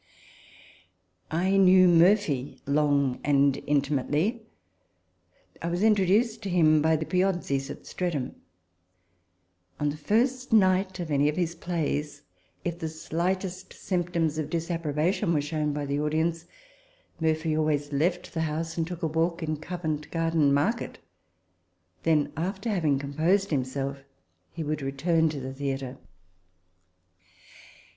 I knew Murphy long and intimately : I was intro duced to him by the Piozzis at Streatham. 68 RECOLLECTIONS OF THE Y On the first night of any of his plays, if the slightest symptoms of disapprobation were shown by the audience, Murphy always left the house and took a walk in Covent Garden Market : then, after having composed himself, he would return to the theatre.